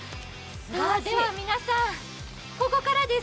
では皆さん、ここからです。